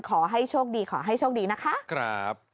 ขอให้โชคดีขอให้โชคดีนะคะ